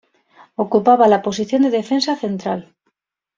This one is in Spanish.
Ocupaba la posición de defensa central.